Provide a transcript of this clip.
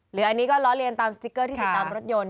หรืออันนี้ก็ล้อเลียนตามสติ๊กเกอร์ที่ติดตามรถยนต์